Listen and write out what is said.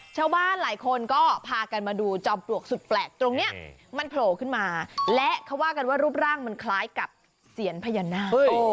ชาวบ้านหลายคนก็พากันมาดูจอมปลวกสุดแปลกตรงนี้มันโผล่ขึ้นมาและเขาว่ากันว่ารูปร่างมันคล้ายกับเสียญพญานาค